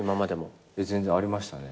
全然ありましたね。